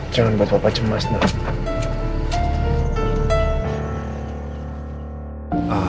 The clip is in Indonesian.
jangan buat bapak cemas nih